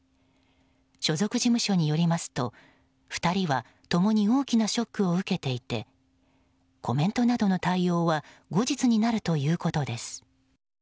所属事務所によりますと２人は共に大きなショックを受けていてコメントなどの対応は後日になるということです。